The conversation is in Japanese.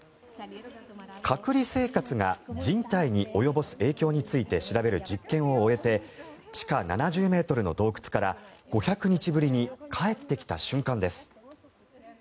隔離生活が人体に及ぼす影響についての実験を終えて地下７０ｍの洞窟から５００日ぶりに帰ってきた瞬間です。